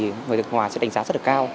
người ngoài sẽ đánh giá rất là cao